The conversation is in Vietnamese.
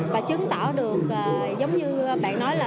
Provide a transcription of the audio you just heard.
và chứng tỏ được giống như bạn nói là